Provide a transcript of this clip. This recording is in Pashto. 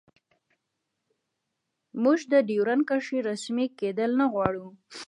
موږ د ډیورنډ کرښې رسمي کیدل نه غواړو